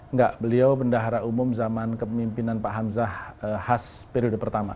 enggak beliau bendahara umum zaman kepemimpinan pak hamzah khas periode pertama